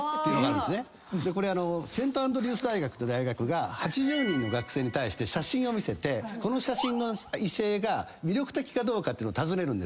これセント・アンドリュース大学が８０人の学生に写真を見せてこの写真の異性が魅力的かどうかってのを尋ねるんですよ。